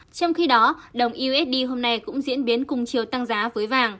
trong khi đó đồng usd hôm nay cũng diễn biến cùng chiều tăng giá với vàng